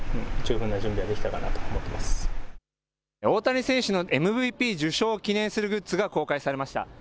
大谷選手のＭＶＰ受賞を記念するグッズが公開されました。